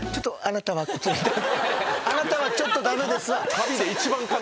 「あなたはちょっと駄目です」